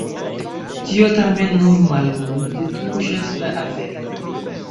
Tio tamen nur malmulte tuŝas la aferon.